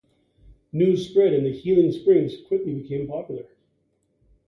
News spread and the "healing springs" quickly became popular.